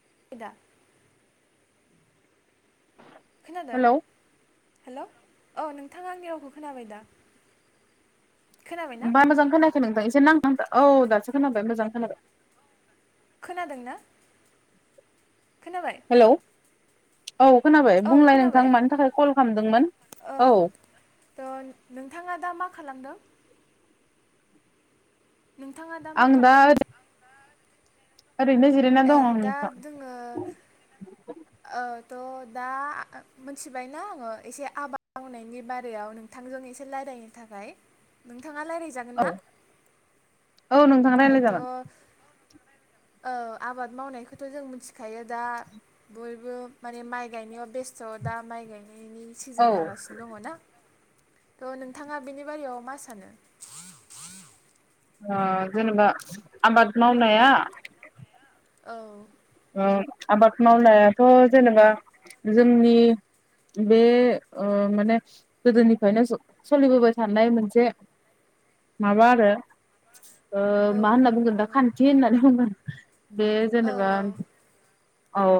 [unintelligible] खोनादों hello hello. औ नोंथाङा आंनि रावखौ खोनाबाय दा? खोनाबाय ना बा मोजां खोनाखै नोंथां एसे नां था औ दासो खोनाबाय मोजां खोनाबाय। खोनादों ना? खोनाबाय? हेलौ औ खोनाबाय औ बुंलाय नोंथां खोनाबाय मानि थाखाय कल खालामदोंमोन औ थ' नोंथाङा दा मा खालामदों? नोंथाङा दा मा खालामदों? ओरैनो जिरायनानै ए दं आंनि दा जोङो त दा मिथिबायना आङो एसे आबाद मावनायनि बारायाव नोंथांजों एसे रायलायनो थाखाय नोंथां नोंथाङा रायज्लायजागोन औ ना? औ नोंथाङा रायज्लाय जागोन। थ' ओ आबाद मावनायखौथ' जों मिथिखायो दा बयबो माने माइ गायनायाव बेस्थ' दा माइ गायनाय नायनि औ सिजोन जागासिनो दङ ना। त नोंथाङा बेनि बारियाव मा सानो? अ जेनेबा आबाद मावनाया औ। ओ आबाद मावनायाथ' जेनेबा जोंनि बे ओ माने गोदोनिफ्रायनो सोलिबोबाय थानाय मोनसे माबा आरो ओ औ मा होनना नंगौ बुंगोन दा नंगौ खान्थि होननानै बुंगोन। [inaudible] बे औ जेनेबा औ औ ओ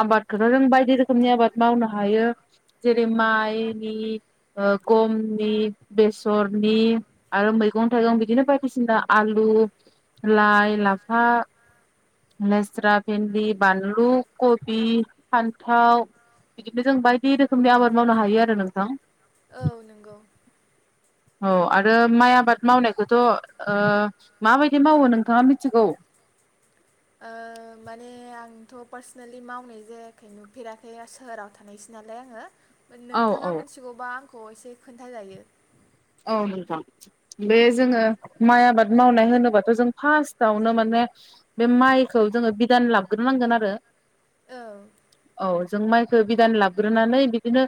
आबादखौथ' जों बायदि रोखोमनि आबाद मावनो हायो जेरै माइनि ओ गमनि बेसरनि आरो मैगं थाइगं बिदिनो बायदिसिना आलु लाइ लाफा लेस्रा भेन्दि बानलु कबि फान्थाव बिदिनो जों बायदि रोखोमनि आबाद मावनो हायो आरो नोंथां। औ नंगौ। औ आरो माइ आबाद मावनायखौथ' ओ माबायदि मावो नोंथाङा मिथिगौ। ओ माने आंथ' पार्सनेलि मावनाय जायाखै नुफेराखै सोहोराव थानायसै नालाय आङो। औ औ नोंथाङा मिथिगौबा खौ एसे खोन्थाजायो। औ नोंथां बे जोङो माइ आबाद मावनाय होनोबाथ' जों फार्स्टआवनो माने बे माइखौ जोङो बिदान लाबोग्रोनांगोन आरो। औ औ। जों माइखौ बिदान लाग्रोनानै बिदिनो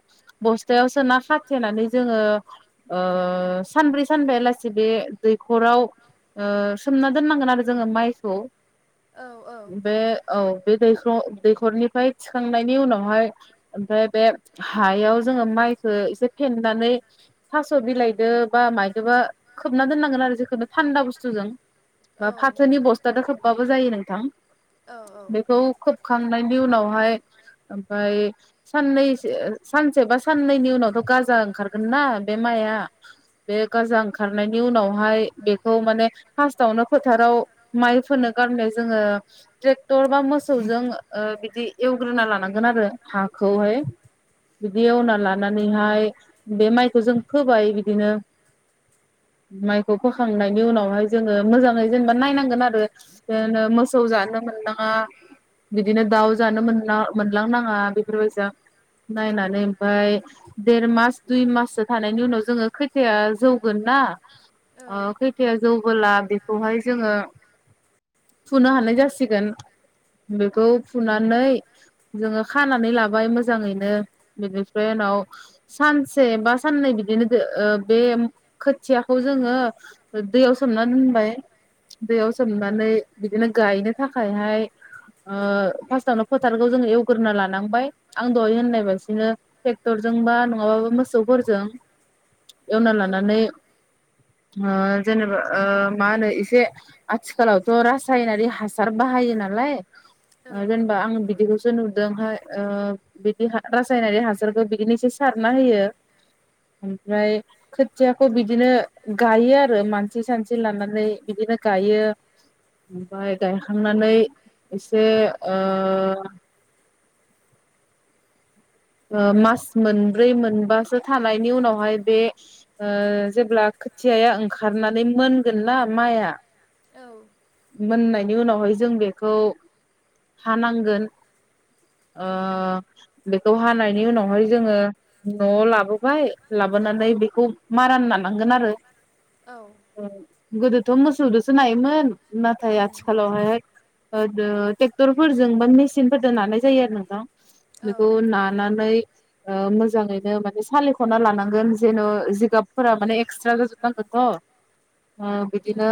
बस्थायाव सोना खाथेनानै जोङो ओ सानब्रै सानबायालासि बे दैख'राव सोमना दोननांगोन आरो जोङो माइखौ। औ औ बे औ बे दैख' दैखरनिफ्राय थिखांनायनि उनावहाय ओमफ्राय बे हायाव जोङो माइखौ एसे फेेननानै थास' बिलाइदो बा मायदोबा खोबना दोननांगोन आरो जेखुनु थान्दा बुस्थुजों औ बा फाथोनि बस्था जों खोबबाबो जायो नोंथां औ बेखौ खोबखांनायनि उनावहाय ओमफ्राय साननैसो सानसे बा साननैनि उनावथ' गाजा ओंखारगोन ना। बे माइआ बे गाजा ओंखारनायनि उनावहाय बेखौ माने फार्स्टावनो फोथाराव माइ फोनो गारनाय जोङो ट्रेक्टर बा मोसौजों बिदि एवग्रोना लानांगोन आरो हाखौहाय बिदि औ एवना लानानैहाय बे माइखौ जों फोबाय बिदिनो माइखौ फोखांनायनि उनावहाय जोङो मोजाङै जेनेबा नायनांगोन आरो मोसौ जानो मोननाङा बिदिनो दाउ जानो मोनलांनाङा बेफोरबायदिया नायनानै ओमफफ्राय देर मास दुइ माससो। नि उनाव जोंङो खोथिया जौगोना औ खोथिया जौबोला बेखौहाय जोङो फुनो हानाय जासिगोन बेखौ फुनानै जोङो खानानै लाबाय मोजाङैनो बेनिफ्राय उनाव सानसे बा साननै बिदिनो बे खोथियाखौ जोङो दैयाव सोमनानै दोनबाय दैयाव सोमनानै बिदिनो गायनो थाखायहाय फार्स्टावनो फोथारखौ जोङ एवग्रोना लानांबाय आं दहाय होननाय बासिनो ट्रेक्टरजोंबा नङाबाबो मोसौफोरजों जों एवना लानानै जेनेबा मा होनो एसे आथिखालावथ' रासायनारि हासार बाहायो नालाय। औ जेनेबा आं बिदिखौ जों नुदों हाय बिदि रासायनारि हासारखौ बिदिनोसो सारना होयो। ओमफ्राय खोथियाखौ बिदिनो गायो आरो मानसि सानसि लानानै बिदिनो गायो ओमफ्राय गायखांनानै एसे मास मोनब्रै मोनबासो थानायनि उनावहाय बे जेब्ला खोथियाया ओंखारनानै मोनगोन ना माइआ औ औ मोननाय नि उनावहाय जों बेखौ हानांगोन। द हानायनि उनावहाय जोङो न'आव लाबोबाय लाबोनानै बेखौ मारोन नानांगोन आरो। औ। गोदोथ' मोसौजोसो नायोमोन। नाथाय आथिखालाव हाय ट्रेक्टरफोरजों बा मेसिनफोरजों नानाय जायो आरो नोंथां। औ नानै मोजाङैनो माने सालिख'ना लानांगोन जेन' जिगाबफोरा माने एक्सट्रा जाजोबनांगोनथ'। बिदिनो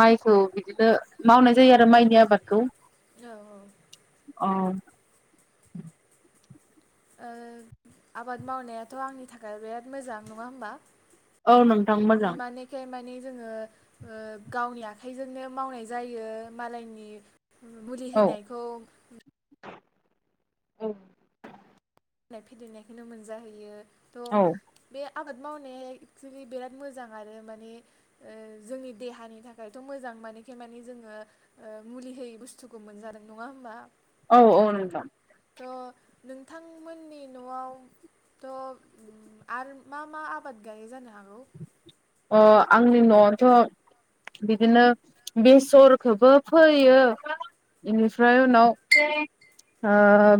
माइ थ' बिदिनो मावनाय जायो आरो माइनि आबादखौ। औ औ। औ। ओ आबाद मावनायाथ' आंनि थाखाय बिराद मोजां नङा होमबा? औ नोंथां मोजां। मानेखे माने जोङो गावनि आखाइजोंनो मावनाय जायो मालायनि मुलि होनायखौ औ। [unintelligible] नायखौनो मोनजाहैयो। औ थ' बे आबाद मावनाया एक्सुलि बिराद मोजां आरो माने जोंनि देहानि थाखायथ' मोजां माने मानिे जोङो मुलि होयै बुस्थुखौ मोनजादों नङा होमबा? औ औ नोंथां। थ' नोंथांमोननि न'आव थ' आरो मा मा आबाद गायै जानो हागौ। अ आंनि न'आवथ' बिदिनो बेसरखौबो फोयो इनिफ्राय उनाव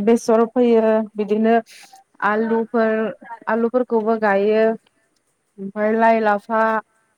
बेसर फोयो बिदिनो आलुफोर आलुफोरखौबो गायो। ओमफ्राय लाइ लाफा।